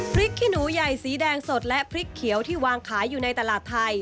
ขี้หนูใหญ่สีแดงสดและพริกเขียวที่วางขายอยู่ในตลาดไทย